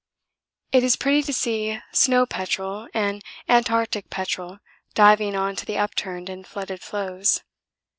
It is pretty to see the snow petrel and Antarctic petrel diving on to the upturned and flooded floes.